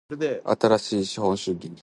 新しい資本主義